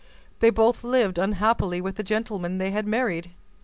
They both lived unhappily with the gentlemen they had married.